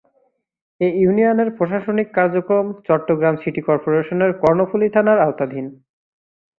এ ইউনিয়নের প্রশাসনিক কার্যক্রম চট্টগ্রাম সিটি কর্পোরেশনের কর্ণফুলী থানার আওতাধীন।